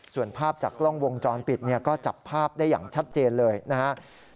ส่วนภาพจากกล้องวงจรปิดเนี่ยก็จับภาพได้อย่างชัดเจนเลยนะครับ